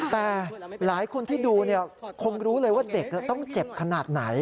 แต่หลายคนที่ดูคงรู้เลยว่าเด็กต้องเจ็บขนาดไหน